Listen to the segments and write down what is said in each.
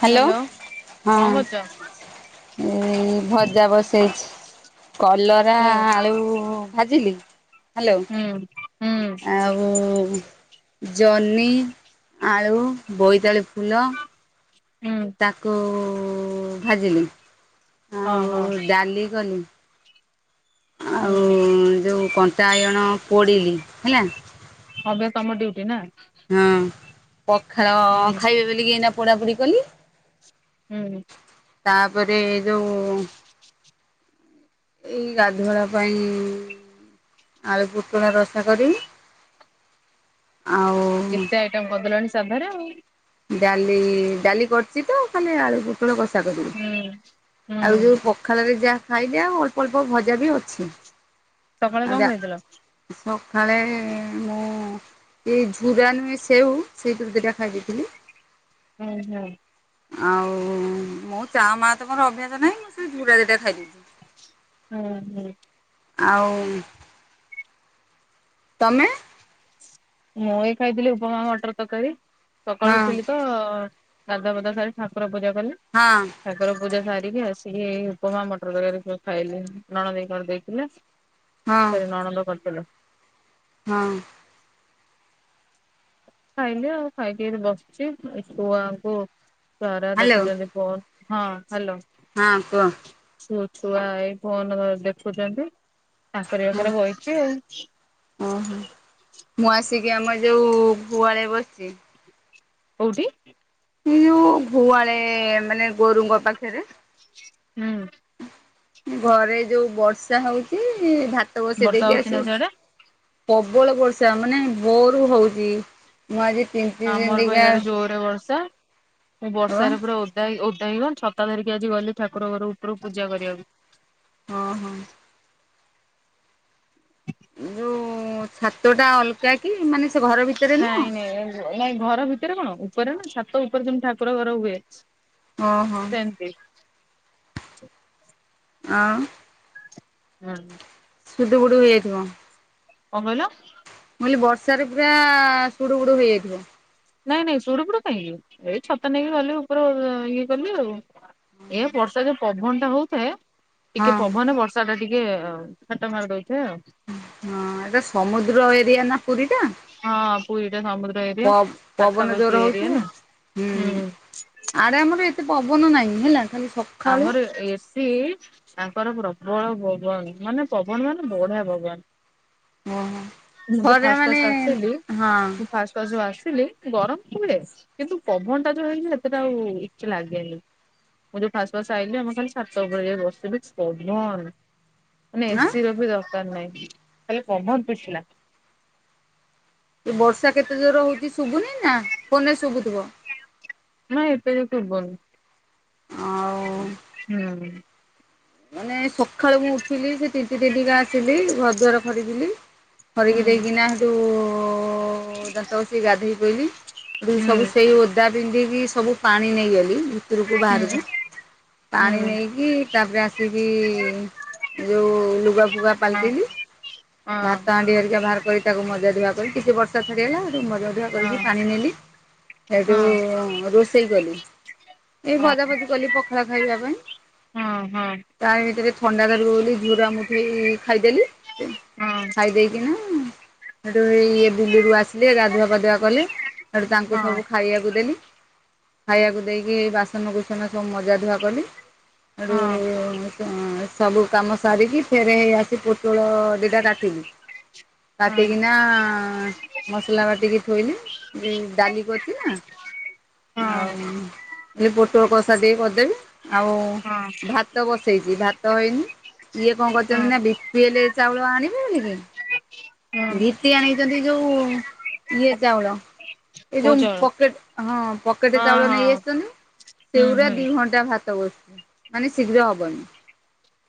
Hello. Hello ହଁ କଣ କରୁଚ। ଏଇ ଭଜା ବସେଇଛି କଲ ପୁରି ହୁଁ ଆଳୁ ଭାଜିଲି ହାଲୋ ହୁଁ ହୁଁ ଆଉ ଓ ଜହ୍ନି ଆଳୁ ବୋଇତାଳୁ ଫୁଲ ହଁ ତାକୁ ଭାଜିଲି ଆଉ ହଁ ଡ଼ାଲି କଲି। ଆଉ ହୁଁ ଯଉଁ କଣ୍ଟା ବାଇଗଣ ପୋଡ଼ିଲି ହେଲା। ହବ ତମ ଡୁଉଟି ନା? ହଁ ପଖଳ ହୁଁ ଖାଇବେ ବୋଲିକି ଏଇନା ପୋଢାପୋଢ କଲି। ହୁଁ। ତାପରେ ଏଇଯଉ ଏଇ ଗାଧୁଆଳ ପାଇଁ ଆଳୁ ପୋଟଳ ରଷା କରିବି ଆଉ ଏତେ ଆଇଟମ କରିଦେଲଣି ସାଧାରେ ଆଉ। ଡାଲି ଡ଼ାଲି କରିଚିତ। ଖାଲି ଆଳୁ ପୋଟଳ କଷା କରିବି ଆଉ ଯୋଉ ହୁଁ। ସଖାଳରେ ଯାହା ଖାଇଲେ ଆଉ ଅଳ୍ପ ଅଳ୍ପ ଭଜାବି ଅଛି। ସକାଳେ ଆଉ କଣ ଡା ଖାଇଥିଲ? ସକାଳେ ମୁଁ ଏଇ ଝୁରା ନୁହେଁ ସେଉ ସେଇତିରୁ ଦିଟା ଖାଇ ଦେଇଥିଲି। ହୁଁ ହୁଁ। ଆଉ ମୁ ଚା ମା ତ ମର ଅଭ୍ୟାସ ନାହିଁ ମୁଁ ସେଇ ଝୁରା ଦିଟା ଖାଇଦେଇଚି। ହୁଁ ହୁଁ। ଆଉ ତମେ? ମୁଁ ଏଇ ଖାଇଥିଲି ଉପମା ମଟର ତରକାରୀ ସକାଳୁ ହଁ ଉଠିଥିଲିତ ଗାଧୁଆ ପାଧୁଆ ସାରି ଠାକୁର ପୂଜା କଲି। ହଁ। ଠାକୁର ପୂଜା ସାରିକି ଆସିକି ଉପମା ମଟର ତରକାରୀ ଖାଇଲି, ନଣଦେଇ କରି ଦେଇଥିଲେ। [inaudible] ସରି ନଣନ୍ଦ କରିଥିଲେ। ହଁ। ଖାଇଲି ଆଉ ଖାଇକି ଏଇଠି ବସିଚି ଏଇ ଛୁଆଙ୍କୁ ଛୁଆଅରା ହ୍ୟାଲୋ ଦେଖୁଛନ୍ତି ବଲ୍ ହଁ ହାଲୋ। ହଁ କୁହ। ମୋ ଛୁଆ ଏଇ ଫୋନ ଦେଖୁଛନ୍ତି। ତାଙ୍କରି ହଁ ପାଖରେ ବଇଛି ଓହୋ ଆଉ ମୁଁ ଆସିକି ଆମର ଯୋଉ ଗୁଆଳେ ବସିଛି। କଉଠି! ଯୋଉ ଗୁହାଳେ ଏ ମାନେ ଗୋରୁଙ୍କ ପାଖରେ ହୁଁ। ଘରେ ଯୋଉ ବର୍ଷା ହଉଛି ଭାତ ବସେଇ ବର୍ଷା ଦେଇକି ହଉଛି ଆସି ନା ସିଆଡେ? ପ୍ରବଳ ବର୍ଷା ମାନେ, ଭୋରୁ ହଉଛି ମୁଁ ଆଜି ତିନ୍ତି ତିନ୍ତିକା ଘୋର ବର୍ଷା। ମୁଁ ହଁ ବର୍ଷାରେ ପୁରା ଓଦା ହେଇକି ଓଦା ହେଇିଗଲି ଛତା ଧରିିକି ଆଜି ଗଲି ଠାକୁର ଘର ଉପରୁ ପୂଜା କରିବାକୁ। ହଁ ହଁ। ଯୋଉ ଛାତ ଟା ଅଲଗା କି? ମାନେ ସେ ଘର ଭିତରେ ନାଇଁ ନୁହଁ! ନାଇଁ ନାଇଁ ଘର ଭିତରେ କଣ ଉପରେ ନା ଛାତ ଉପରେ ଯେମିତି ଠାକୁର ଘର ହୁଏ? ଓ ହୋ ସେମିତି ଆଉ? ହୁଁ। ସୁଦୁ ବୁଡ଼ୁ ହେଇଯାଇଥିବ! କଣ କହିଲ? ମୁଁ କହିଲି ବର୍ଷାରେ ପୁରା ସୁଡୁ ବୁଡୁ ହେଇଯାଇଥିବ। ନାଇଁ ନାଇଁ ସୁଡ ବୁଡ କାହିଁକି! ଏଇ ଛତା ନେଇକି ଗଲି ଉପର ଇଏ କଲି ଆଉ ଏ ବର୍ଷା ଯୋଉ ପବନ ଟା ହଉଥାଏ ଟିକେ ହଁ ପବନ ବର୍ଷ [unintelligible] ଟିକେ ହାଟ ମାରିଦେଉଥିବେ ଆଉ। ହଁ ଏଟା ସମୁଦ୍ର ଏରିଆ ନା ପୁରୀ ଟା ହଁ ପୁରୀ ଟା ସମୁଦ୍ର ଏରିଆ। ପ ପବନ ପାଖାପାଖି ଜୋରେ ଏରିଆ ହଉଛି, ନା ହୁଁ। ଆଡେ଼ ଆମର ଏତେ ପବନ ନାହିଁ ହେଲା ଖାଲି ସକାଳୁ ଆମର ଏ ଟି ତାଙ୍କର ପ୍ରବଳ ପବନ ମାନେ ପବନ ମାନେ ବଢିଆ ପବନ। ଓହୋ। ମୁଁ ଯଉ ଖରା ଫାଷ୍ଟ ମାନେ ଫାଷ୍ଟ ଆସିଲି ହଁ ମୁଁ ଆଁ ଫାଷ୍ଟ ତ ଯୋଉ ଆସିଲି ଗରମ କୁ ହୁଏ କିନ୍ତୁ ପବନ ଟା ଯୋଉ ହେଇଚି ସେତେଟା ଆଉେ ଏତେ ଲାଗେନି। ଫାସ୍ ଫାସ୍ ଆଇଲିି ଆମ ଖାଲି ଛାତ ଉପରେ ଯାଇ ବସିଥଲି କି ପବନ ମାନେ ଏସିି ର ବି ଦସ କାର ନାଇଁ ଖାଲି ପବନ ପିଟିଥିଲା। ଏ ବର୍ଷା କେତେ ଜୋର ହଉଛି ଶୁଭୁନିନା ଫୋନରେ ଶୁଭୁଥିବ। ନାଁ ଏବେ [unintelligible] ଆଉ ହୁଁ। ମାନେ ସକାଳେୁ ମୁଁ ଉଠିଲି ସେ ତିନ୍ତି ତିନ୍ତିକା ଆସିଲି ଘର ଦୁଆାର ଖରକିଲି। ଖରିକି ହୁଁ ଦେଇକିନା ସେଇଠୁ ଦାନ୍ତ ଘଷିକି ଗାଧେଇ ପଇଲି। ହୁଁ ସବୁ ସେଇ ଓଦା ପିନ୍ଧିକି ସବୁ ପାଣି ନେଇଗଲି। ଭିତରକୁ ହୁଁ। ବାହାରକୁ ପାଣି ନେଇକି ତାପରେ ଆ କି ବି ଯେଉଁ ଲୁଗା ଫୁଗା ପାଲଟିଲିି। ଭାତ ହାଣ୍ଡି ଧରିକା ବାହାର କରି ତାକୁ ମଜା ଧୂଆ କରି ଟିକିଏ ବର୍ଷା ଛାଡିଗଲା ମଜା ଧୂଆ କରି ପାଣି ନେଲି ହେଠୁ ରୋଷେଇ କଲି। ଏଇ ଭଜା ଭଜି କଲି ପଖାଳ ଖାଇବା ପାଇଁ। ହଁ ହଁ। ତା ଭିତରେ ଥଣ୍ଡା ଧରିବ ବୋଲି ଝୁରା ମୁଠେଇ ଖାଇଦେଲି। ଖାଇ ଦେଇେଇକିନା ସେଠୁଇ ଇ ବିଲ୍ଲୀରୁୁ ଆସିଲେ ଗାଧୁଆ ପାାଧୁଆ କଲେ। ହେଠୁ ତାଙ୍କୁ ସବୁ ଖାଇବାକୁ ଦେଲି। ଖାଇବାକୁ ଦେଇକି ଏ ବାସନକୁସନ ସବୁ ମଜାଧୁଆ କଲି। ହେଠୁ ସବୁ କାମ ସାରିକି ଫେରେ ହେଇ ଆସି ପୋଟୁଳ ଦିଟା କାଟି କାଟି କି ନା ନା ମସଲା ବାଟିକି ଥୋଇଲି ଡାଲିକରିଚି ନା। ଆଉ ଏଇ ପୋଟଳ କଷା ଟିକେ କରିଦେବି ଆଉ ଭାତ ବସ ସେଇଠି ଭାତ ହେଇନି ଇଏ କଣ କରିଚନ୍ତି ନା ବି ପି ଏ ଲେ ଚାଉଳ ଆଣିବି ବଲିକି ଗୀତି ଆଣିଚନ୍ତି ଯୋଉ ଇଏ ଚାଉଳ ଏଇ କୋଉ ଯୋଉ ଚାଉଳ ପକେଟେ ହଁ ପକେଟ ହଁ ଚାଉଳ ନେଇ ହଁ ଆସଚନ୍ତି। ହୁଁ ସେଗୁଉା ହୁଁ ଦିଇ ଘଣ୍ଟା ଭାତ ବସୁଛି ମାନ ଶୀଘ୍ର ହବନି।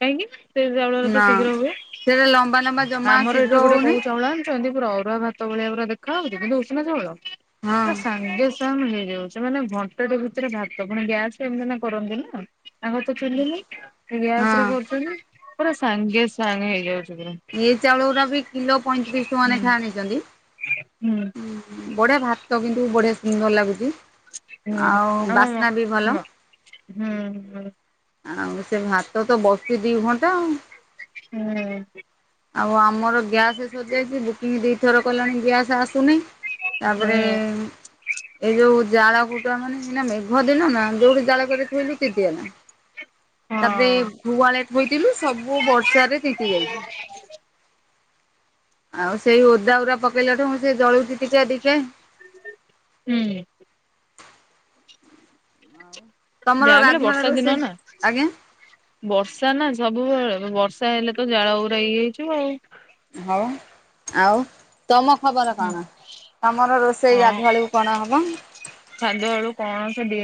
କାହିଁକି ସେ ଚାଉଳରେ ତ ନା ଶୀଘ୍ର ହୁଏ ସେଟା ଲମ୍ବା ଲମ୍ବା ଜମା ଆମର ଶୀଘ୍ର ଏଠି ଗୋଟେ ହଉନି କୋଉ ଚାଊ ଚାଉଳ ଆଣୁଚନ୍ତି ପୁରା ଅରୁଆ ଭାତ ଭଳିଆ ପୁରା ଦେଖା ହୋଉଚି କିନ୍ତୁ ଉସୁନା ଚଉଳ ହଁ ପୁରା ସାଙ୍ଗେ ସ ହେଇଯାଉଚି ମାନେ ଘଣ୍ଟଟେ ଭିତରେ ଭାତ ପୁଣି ଗ୍ୟାସରେ ଏମିତି ନା କରନ୍ତି ନା। ତାଙ୍କର ତ ଚୁୁଲି ନାହିଁ ଗ୍ୟାସ୍ ହଁ ରେ କରୁଚନ୍ତି ପୁରା ସାଙ୍ଗେ ସାଙ୍ଗେ ହେଇଯାଉଚି ପୁରା। ଇଏ ଚାଉଳ ଗୁରା ବି କିଲୋ ପଇଁତିରିଶ ହୁଁ ଟଙ୍କାନେଖାଇଏ ଆଣିଚନ୍ତି। ହୁଁ ବଢିଆ ଭାତ ତ କିନ୍ତୁ ବଢିଆ ସୁନ୍ଦର ଲାଗୁଚି। ହୁଁ ଆଉ ଆମ ବାସ୍ନା ବି ଭଲ। ହୁଁ ହୁଁ ହୁଁ ଆଉ ସେ ଭାତ ତ ବସିଛି ଦିଇ ଘଣ୍ଟା ଆଉ। ହୁଁ। ଆଉ ଆମର ଗ୍ୟାସ୍ ସରିଯାଇଛି ବୁକିଂ ଦିଇଥର କଲାଣି ଗ୍ୟାସ୍ ଆସୁନି। ତାପରେ ଏଇ ଯୋଉ ଜାଳ କୁ ମାନେ ମେଘ ଦିନ ନା ଯୋଉଠି ଜାଳ କେରେ ଥୋଇଲୁ ତିନ୍ତୀ ଗଲା ହଁ। ତାପରେ ହୁଁ ଗୁହଳେ ଥୋଇଥିଲୁ ସବୁ ବର୍ଷରେ ତିନ୍ତୀ ଯାଇଛି। ଆଉ ସେଇ ଓଦା ଗୁରା ପକେଇଲାଠୁ ସେ ଜଳୁଚଛି ଟିକେ ଟିକେ। ହୁଁ। ତମର ଯାହାବି ହେଲେ ଗାଧୁଆଳ ବର୍ଷା ଦିନ ରୋଷେଇ ନା। ଆଜ୍ଞା। ବର୍ଷା ନା ସବୁବେଳେ ବର୍ଷା ହେଲେ ତ ଜାଳ ଗୁରା ଇଏ ହେଇଜିବ ଆଉ। ହୋଉ ଆଉ ତମ ଖବର ହୁଁ କଣ ତମର ରୋଷେଇ ଗାଧୁଆଳକୁ କଣ ହବ? ଗାଧୁଆବେଳୁ କଣ ତେବେ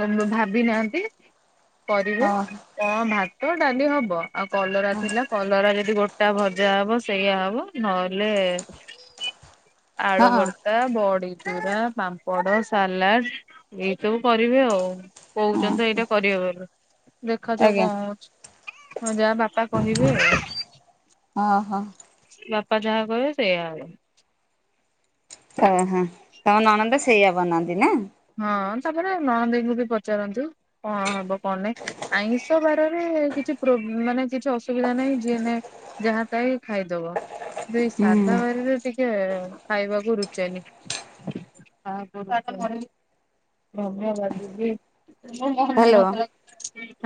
ଭା ଭାବି ନାହାନ୍ତି କରିବା ଓହୋ କଣ ଭାତ ଡାଲି ହବ ଆଉ କଲରା ହଁ ଥିଲା କଲରା ଯଦି ଗୋଟେ ଟା ଭଜା ହବ ସେଇଆାଆ ହବ ନହେଲେ ଆଳୁ ବର୍ ହଁ ବଡ଼ିଚୁରା ପାମ୍ପଡ଼ ସାଲାଡ ଏଇ ସବୁ କରିବେ ଆଉ। କୋହୁଚନ୍ତି ତ ଏଇଟା କରିବା ବୋଲି। ଦେଖ ଯାଉ ଆଜ୍ଞା କଣ ହୋଉଚି ଯାହା ବାପା କହିବେ ଆଉ। ଓଁ ହୋ। ବାପା ଯାହା କହିବେ ସେଇୟଆ ହବ। ଓହୋ ତମ ନଣନ୍ଦ ସେଇଆା ବନାନ୍ତି ନା? ହଁ ତାପରେ ରଣଦେଇଙ୍କୁ ବି ପଚାରନନ୍ତୀ କଣ ହବ କଣ ନାହି। ଆଇଁଷ ବାରରେ କିଛି ପ୍ରୋ ମାନେ କିଛି ଅସୁବିଧା ନାହିଁ ଯିଏ ନାହିଁ ଯାହା ପାଇବ ଖାଇଦବ କିନ୍ତୁ ଏଇ ହୁଁ। ସାଧା ବାରିରେ ଏଇ ଖାଇବାକୁ ରୁଚେନି। ଧନ୍ୟବାଦ ଦିଦି ମୋର ମନେ ହ୍ୟାଲୋ। ନଥିଲା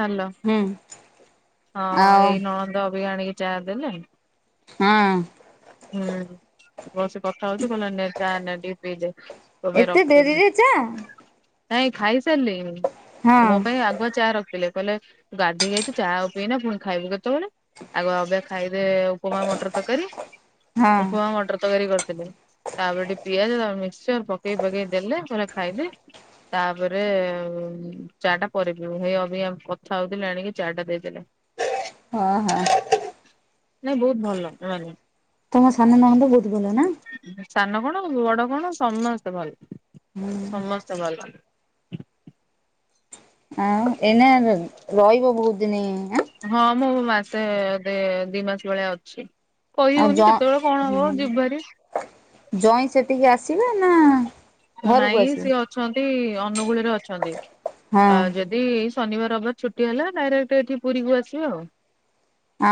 ହାଲୋ। ହୁଁ। ହଁ ଆଉ ଏଇ ନଣନ୍ଦ ଅବିକା ଆଣିକି ଚାହା ଦେଲେଣି। ହୁଁ। ହୁଁ ବସି କଥା ହଉଚି କହିଲା ନେ ଚା ନେ ଟିକେ ପି ଦେ ତୋ ପାଇଁ ରଖିଚି। ଯା ନାଇଁ ହଁ ଖାଇସାରଲେଇଁ ମୋ ପାଇଁ ଆଗୁଆ ଚା ରଥିଲେ। କହିଲେ ଗାଧେଇକି ଆଇଚୁ ଚା ଆଉ ପିଇନା ଫୁଣି ଖାଇବୁ କେତୋଳେ ଆଗ ଅବେ ଖାଇଦେ ଉପମା ମଟର ତରକାରୀ ହଁ। ଉପମା ମଟର ତରକାରୀ କରିଥିଲେ। ତାପରେ ଟିକେ ପିଆଜ ମିକ୍ସଚର ପକେଇ ପକେଇ ଦେଲେ କହିଲେ ଖାଇଦେ। ତାପରେ ଆଉ ଚାଟା ପର ପିଇବୁ ହେଇ ଅବିକା ମୁଁ କଥା ହଉଥିଲି ଆଣିକି ଚାଟା ଦେଇଦେଲେ। ହଁ ହଁ। ନାଇଁ ବହୁତ ଭଲ ନୁଆନି। ତମ ସାନ ନଣନ୍ଦ ବହୁତ ଭଲ ନାଁ? ଉହୁଁ ସାନ କଣ ବଡ଼ କଣ ସମସ୍ତେ ଭଲ ସମସ୍ତେ ଭଲ। ଆଉ ଏଇନା ରଇବ ବୋହୁତ ଦିନି। ହଁ ମୁଁ ମାସେ ଦେ ଦି ମାସେ ଭଳିଆ ଅଛି। କହି ହୋଉନି କେତୋଳେ କଣ ହବ ଯିବୁ ଭାରି। ଜୋଇଁ ସେଠିକି ଆସିବେ ନାଁ ତ ନାଇଁ ସିଏ ଅଛନ୍ତି ଅନୁଗୁଳୁରେ ଅଛନ୍ତି ଆ ହଁ ଯେ ଦି ଏଇ ଶନିବାର ରବିବାର ଛୁଟି ହେଲା ଡାଇରେକ୍ଟ୍ ଏଠି ପୁରୀକୁ ଆସିବେ ଆଉ।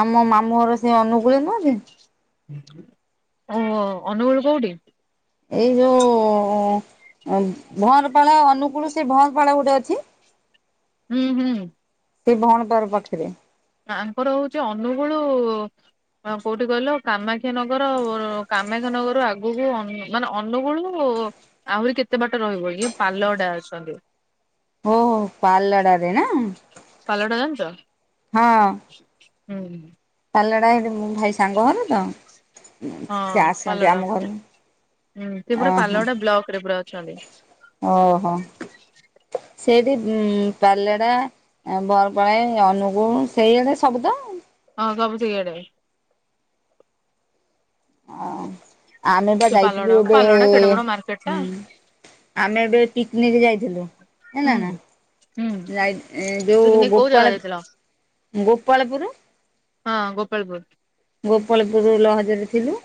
ଆମ ମାମୁଁ ଘର ସେ ଅନୁଗୁଳରେ ନୁହଁ କି? ଓହୋ ଅନୁଗୁଳୁ କୋଉଠି? ଏଇ ଯୋଉ ଭଅଁରପାଳ ଅନୁକୁଳୁ ସେ ଭଅଁରପାଳ ଗୋଟେ ଅଛି। ହୁଁ ହୁଁ। ସେ ଭଅଁରପାଳ ପାଖରେ। ଆ ଆଙ୍କର ହଉଚି ଅନୁଗୁଳୁ ଅଁ କୋଉଠି କହିଲ କାମାକ୍ଷାନଗର କାମାକ୍ଷାନଗର ଆଗୁକୁ ଅନୁ ମାନେ ଅନୁଗୁଳୁ ଆହୁରି କେତେ ବାଟ ରହିବ ଇଏ ପାଲହଡ଼ା ଅଛନ୍ତି। ଓହୋ ପାଲଡ଼ାରେ, ନା? ପାଲଡ଼ା ଜାଣିଚ? ହଁ ହୁଁ। ପାଲଡ଼ା ଏଇ ଯୋଉ ମୋ ଭାଇ ସାଙ୍ଗହର ତ। ସେ ହଁ ଆସନ୍ତି ଆମ ପାଲଡ଼ା ଘରକୁ ଉଁ ସେ ପୁରା ଓହୋ ପାଲହଡ଼ା ବ୍ଲକ୍ ରେ ପୁରା ଅଛନ୍ତି। ଓହୋ ସେଇଠି ଉଁ ପାଲେଡ଼ା ଏଁ ବରପଳେ ଅନୁଗୁଳ ସେଇଆଡ଼େ ସବୁ ତ। ହଁ ସବୁ ସେଇ ଆଡ଼େ। ଆ ଆମେ ବା ସେ ଯାଇଥିଲୁ ପାଲଗଡା ଏବେ ପାଲଗଡା କେଡେ ବଡ ମାର୍କେଟ ଟା ହୁଁ। ଆମେ ଏବେ ପିକନିକ୍ ଯାଇଥିଲୁ। ଏଁଲ ହୁଁ ନାଁ ହୁଁ ଯାଇ ଯୋଉ ପିକନିକ କୋଉ ଜାଗା ଗୋପାଳ ଯାଇଥିଲ ଗୋପାଳପୁରୁ। ହଁ ଗୋପାଳପୁର। ଗୋପାଳପୁରୁ ଲଜ୍ ରେ ଥିଲୁ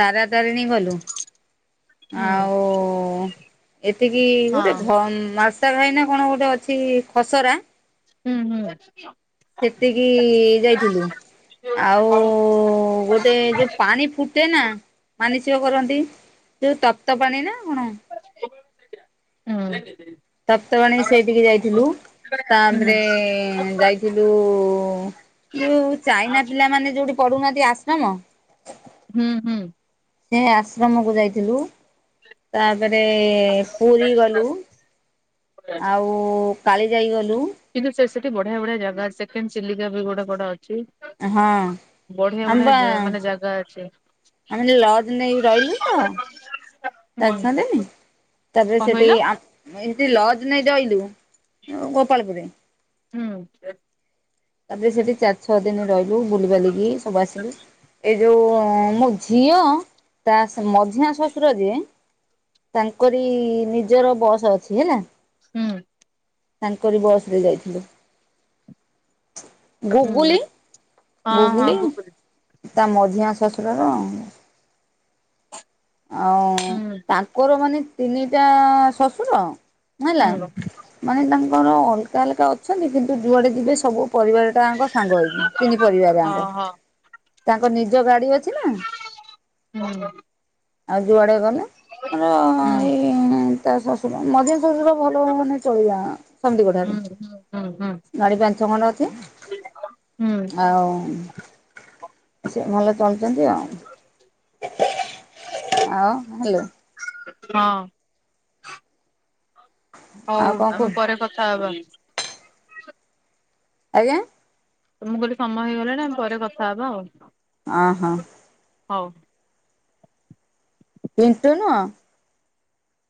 ତାରାତାରିଣୀ ଗଲୁ। ହୁଁ ଆଉ ଏତିକି ଗୋଟେ ହଁ ଘ ମାସ୍ ତା ଭାଇନା କଣ ଗୋଟେ ଅଛି ଖସରା। ଉଁ ହୁଁ। ସେଟିକି ଯାଇଥିଲୁ ଆଉ ଗୋଟେ ଯୋଉ ପାଣି ଫୁ ତେ ନା ମାନିସିକ କରନ୍ତି ଯୋଉ ତପ୍ତପାଣି ନାଁ କଣ। ଉଁ। ତପ୍ତପାଣୀ ସେଇଠିକି ଯାଇଥିଲୁ। ତାପରେ ଯାଇଥିଲୁ ଯୋଉ ଚାଇନା ପିଲାମାନେ ଯୋଉଠି ପଢ଼ୁ ନାହାନ୍ତି ଆଶ୍ରମ। ହୁଁ ହୁଁ। ସେ ଆଶ୍ରମକୁ ଯାଇଥିଲୁ। ତାପରେ ପୁରୀ ଗଲୁ। ଆଉ କାଳିଜାଇ ଗଲୁ। କିନ୍ତୁ ସେ ସେଠି ବଢ଼ିଆ ବଢ଼ିଆ ଜାଗା ଅଛି ସେକେଣ୍ଡ ଚିଲିକା ବି କୋଉଟା ଗୋଟେ ଅଛି। ଏ ହଁ ବଢିଆ ଆମେ ବଢିଆ ବା ଜା ମାନେ ଜାଗା ଅଛି ଆମେ ଯୋଉ ଲର୍ଜ ନେଇକି ରହିଲୁ ତ। [unintelligible] ହୁଁ ତାପରେ କଣ ସେଠି କହିଲ ଆ ହେତି ଲର୍ଜ ନେଇ ରହିଲୁ ଅଁ ଗୋପାଳପୁରରେ। ହୁଁ। ତାପରେ ସେଠି ଚାରି ଛଅ ଦିନ ରହିଲୁ, ବୁଲିବାଲିକି ସବୁ ଆସିଲୁ। ଏ ଯୋଉ ମୋ ଝିଅ ତା ମଝିଆଁ ଶ୍ୱଶୁର ଯିଏ। ତାଙ୍କରି ନିଜର ବସ୍ ଅଛି ହେଲା। ହୁଁ। ତାଙ୍କରି ବସ ରେ ଯାଇଥିଲୁ। ହୁଁ ଗୁଗୁଲି ହଁ ହଁ ଗୁଗୁଲି ଗୁଗୁଲ ତା ମଝିଆଁ ଶଶୁର ଅଁ ହୁଁ ତାଙ୍କର ମାନେ ତିନିଟା ଶଶୁର ହେଲା। ହୁଁ ମାନେ ତାଙ୍କର ଅଲଗା ଅଲଗା ଅଛନ୍ତି କିନ୍ତୁ ଯୁଆଡ଼େ ଯିବେ ସବୁ ପରିବାର ତାଙ୍କ ସାଙ୍ଗ ହେଇକି ତିନି ପରିବାର ଇଙ୍କ ଓହୋ ତାଙ୍କ ନିଜ ଗାଡ଼ି ଅଛି ନା। ହୁଁ। ଆଉ ଯୁଆଡ଼େ ଗଲେ ଧର ହୁଁ ଏଇ ତା ଶଶୁ ଉର ମଝିଆଁ ଶଶୁର ଭଲ ହୁଁ ମାନେ ଚଳିବା ସମିତିକ ଠାରୁ। ହୁଁ ହୁଁ ହୁଁ ଗାଡ଼ି ପାଞ୍ଚ ଛ ଖଣ୍ଡ ଅଛି ହୁଁ ଆଉ ସେ ଭଲ ଚଳୁଛନ୍ତି ଆଉ। [inaudible] ଆଉ ଭଲ? ହଁ। ହୋଉ ଆଉ କଣ ଆମେ କୁହ ପରେ କଥା ହବା। ଆଜ୍ଞା? ତ ମୁଁ କହିଲି ସମୟ ହେଇଗଲାଣି ଆମେ ପରେ କଥା ହବା ଆଉ। ଅ ହ‌। ହୋଉ। ରିଣ୍ଟୁ ନୁଅଁ।